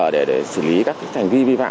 để xử lý các thành vi vi phạm